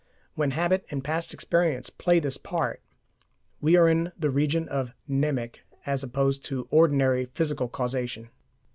When habit and past experience play this part, we are in the region of mnemic as opposed to ordinary physical causation.